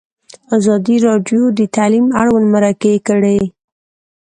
ازادي راډیو د تعلیم اړوند مرکې کړي.